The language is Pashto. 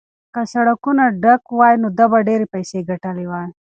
که سړکونه ډک وای نو ده به ډېرې پیسې ګټلې وای.